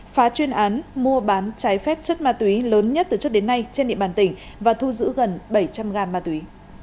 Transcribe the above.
phá chuyên án mua bán trái phép chất ma túy lớn nhất từ trước đến nay trên địa bàn tỉnh và thu giữ gần bảy trăm linh gam ma túy